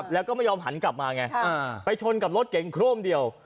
แล้วก็ไม่ยอมหันกลับมาไงไปชนกับรถเก่งโคร่มเดียว